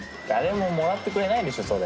誰ももらってくれないでしょ。